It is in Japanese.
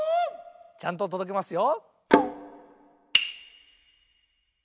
ちゃんととどけますよ。